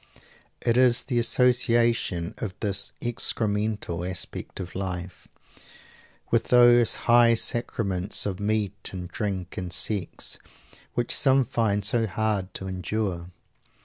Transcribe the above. It is the association of this excremental aspect of life, with those high sacraments of meat and drink and sex, which some find so hard to endure.